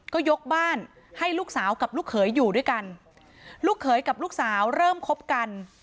ก็ยกบ้านให้ลูกสาวกับลูกเขยอยู่ด้วยกันลูกเขยกับลูกสาวเริ่มคบกัน